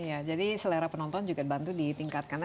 iya jadi selera penonton juga bantu ditingkatkan